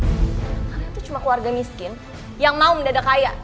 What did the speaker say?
karena itu cuma keluarga miskin yang mau mendadak kaya